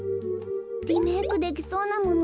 リメークできそうなもの